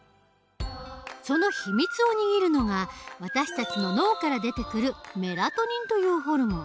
そのひみつを握るのが私たちの脳から出てくるメラトニンというホルモン。